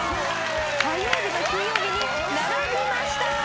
火曜日と金曜日に並びました。